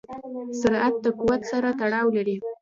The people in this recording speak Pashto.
سرعت د قوت سره تړاو لري.